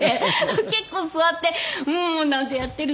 結構座ってうーんなんてやっているので。